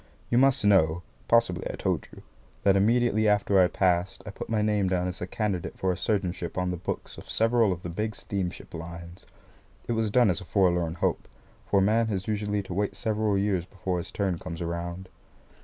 You must know (possibly I told you), that immediately after I passed, I put my name down as a candidate for a surgeonship on the books of several of the big steamship lines. It was done as a forlorn hope, for a man has usually to wait several years before his turn comes round.